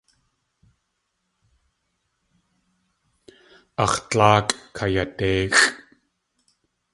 Ax̲ dláakʼ kayadéixʼ.